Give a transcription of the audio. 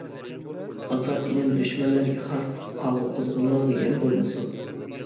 -ئاتا، ئىنىم دۈشمەنلەرگە خار، قاغا-قۇزغۇنلارغا يەم بولمىسۇن.